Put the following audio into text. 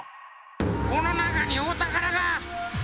このなかにおたからが！